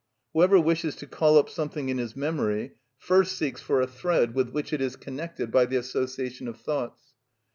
Whoever wishes to call up something in his memory first seeks for a thread with which it is connected by the association of thoughts.